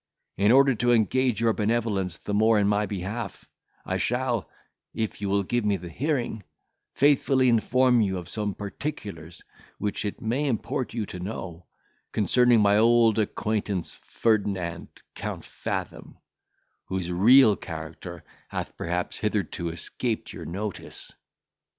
In order to engage your benevolence the more in my behalf, I shall, if you will give me the hearing, faithfully inform you of some particulars, which it may import you to know, concerning my old acquaintance Ferdinand Count Fathom, whose real character hath perhaps hitherto escaped your notice."